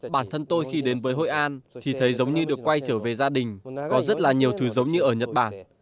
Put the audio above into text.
bản thân tôi khi đến với hội an thì thấy giống như được quay trở về gia đình có rất là nhiều thứ giống như ở nhật bản